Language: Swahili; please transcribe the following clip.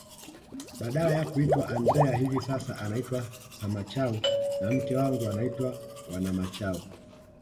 Badala ya kuitwa Andrea hivi sasa naitwa Samachau na mke wangu anaitwa Wanamachau